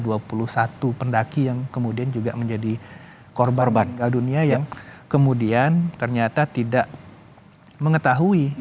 ada dua puluh satu pendaki yang kemudian juga menjadi korban batal dunia yang kemudian ternyata tidak mengetahui